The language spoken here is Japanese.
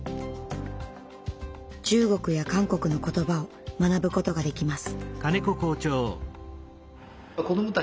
中国や韓国の言葉を学ぶことができます。